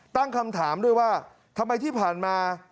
ตั้งคำถามด้วยว่าทำไมที่ผ่านมา